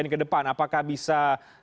ini ke depan apakah bisa